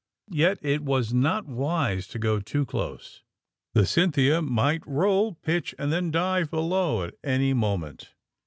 Yet it was not wise to go too close. The *' Cynthia" might roll, pitch and then dive be low at any moment.